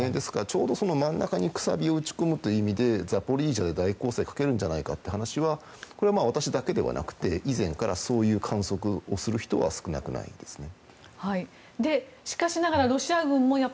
ですからちょうど真ん中にくさびを打ち込むということでザポリージャで大攻勢をかけるというのは私だけではなく以前からそういう観測をする人は少なくないですね。